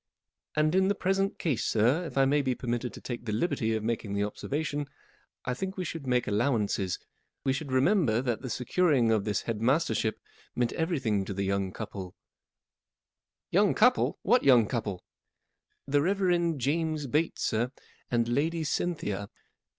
" And in the present case, sir, if I may be permitted to take the liberty of making the observation, I think we should make allow¬ ances, We should remember that the secur¬ ing of this head mastership meant everything to the young couple/' " Young couple ! What young couple ?" M The Reverend James Bates, sir, and Lady Cynthia.